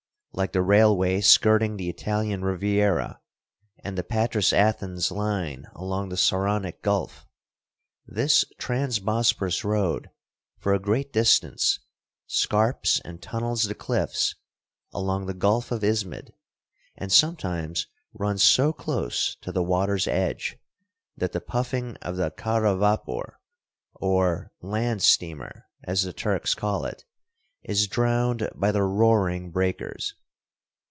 Like the railway skirting the Italian Riviera, and the Patras Athens line along the Saronic Gulf, this Trans Bosporus road for a great distance scarps and tunnels the cliffs along the Gulf of Ismid, and sometimes runs so close to the water' s edge that the puffing of the kara vapor or "land steamer," as the Turks call it, is drowned by the roaring breakers.